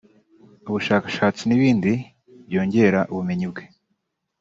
ubushakashatsi n’ibindi byongera ubumenyi bwe